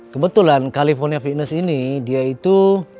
kebetulan california fitness ini dia itu